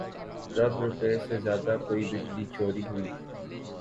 رب روپے سے زائد کی بجلی چوری ہوئی